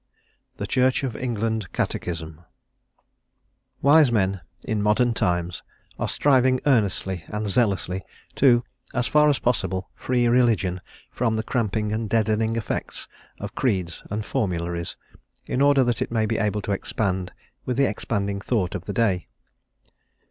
THE CHURCH OF ENGLAND CATECHISM WISE men, in modern times, are striving earnestly and zealously to, as far as possible, free religion from the cramping and deadening effect of creeds and formularies, in order that it may be able to expand with the expanding thought of the day.